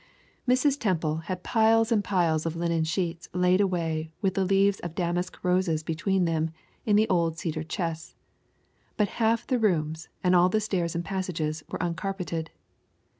Mrs. Temple had piles and piles of linen sheets laid away with the leaves of damask roses between them in the old cedar chests, but half the rooms and all the stairs and passages were uncarpeted.